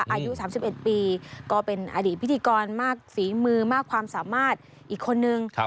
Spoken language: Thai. อายุ๓๑ปีก็เป็นอดีตพิธีกรมากฝีมือมากความสามารถอีกคนนึง